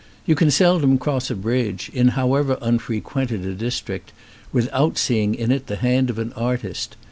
You can seldom cross a bridge, in however unfrequented a district, without seeing in it the hand of an artist.